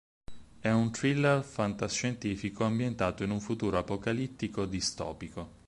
È un thriller fantascientifico ambientato in un futuro apocalittico distopico.